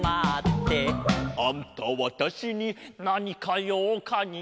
「あんたわたしになにかようかに？